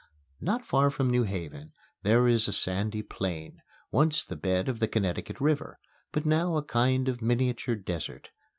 Not far from New Haven there is a sandy plain, once the bed of the Connecticut River, but now a kind of miniature desert.